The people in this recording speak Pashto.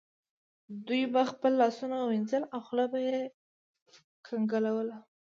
دوی به خپل لاسونه وینځل او خوله به یې کنګالوله.